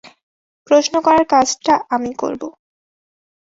প্রশ্ন করার কাজটা আমি করব।